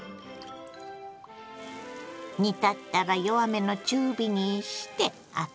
煮立ったら弱めの中火にしてアクを除き。